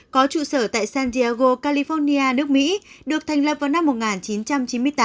có trụ sở tại san diego california nước mỹ được thành lập vào năm một nghìn chín trăm chín mươi tám